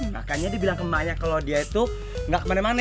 makanya dia bilang ke banyak kalau dia itu gak kemana mana